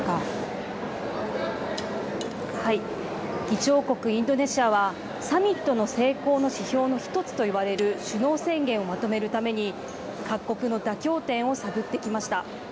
議長国インドネシアはサミットの成功の指標の１つといわれる首脳宣言をまとめるために各国の妥協点を探ってきました。